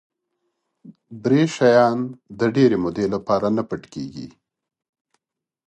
دری شیان د ډېرې مودې لپاره نه پټ کېږي.